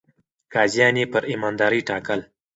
قاضيان يې پر ايماندارۍ ټاکل.